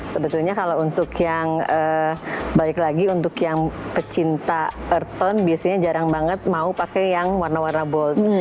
sebetulnya kalau untuk yang balik lagi untuk yang pecinta erton biasanya jarang banget mau pakai yang warna warna bold